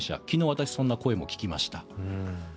昨日、私そんな声も聞きました。